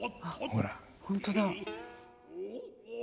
あ本当だ。